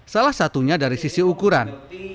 salah satunya dari sisi ukuran